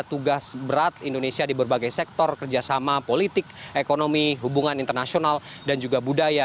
tugas berat indonesia di berbagai sektor kerjasama politik ekonomi hubungan internasional dan juga budaya